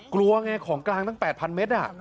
กลัวไงของกลางตั้ง๘๐๐เมตร